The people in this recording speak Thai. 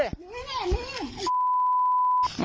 นี่นี่นี่นี่